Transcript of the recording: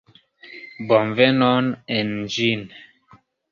Bonvenon en ĝin!